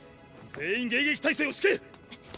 全員迎撃態勢を敷け！